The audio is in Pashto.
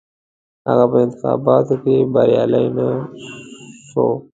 هغه په انتخاباتو کې بریالی نه شو.